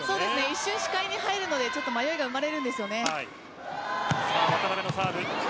一瞬、視界に入るので迷いが生まれるんですよね。